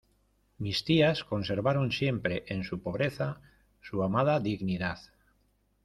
Mis tías conservaron siempre en su pobreza su amada dignidad.